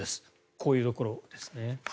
こういうところですね。